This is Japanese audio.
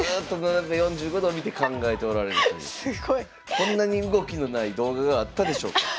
こんなに動きのない動画があったでしょうか？